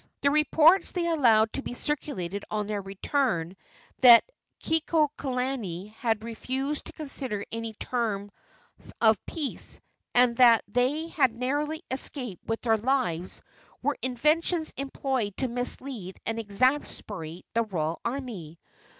The reports they allowed to be circulated on their return, that Kekuaokalani had refused to consider any terms of peace, and that they had narrowly escaped with their lives, were inventions employed to mislead and exasperate the royal army.